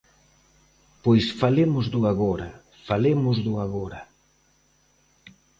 Pois falemos do agora, falemos do agora.